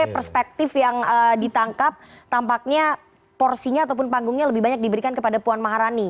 perspektif yang ditangkap tampaknya porsinya ataupun panggungnya lebih banyak diberikan kepada puan maharani